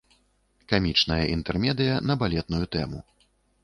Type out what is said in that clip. Камічная інтэрмедыя на балетную тэму.